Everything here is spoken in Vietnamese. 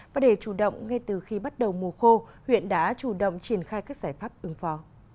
và để chủ động ngay từ khi bắt đầu mùa khô huyện đã chủ động triển khai các giải pháp ứng phó